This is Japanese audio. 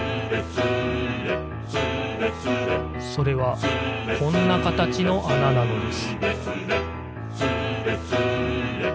それはこんなかたちのあななのです